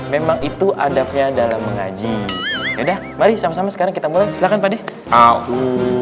memang itu adabnya dalam mengaji ya dah mari sama sama sekarang kita mulai silakan pak deh